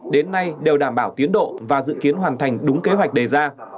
đến nay đều đảm bảo tiến độ và dự kiến hoàn thành đúng kế hoạch đề ra